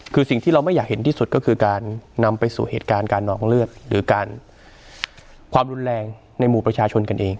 คือสิ่งที่เราไม่อยากเห็นที่สุดก็คือการนำไปสู่เหตุการณ์การนองเลือดหรือการความรุนแรงในหมู่ประชาชนกันเอง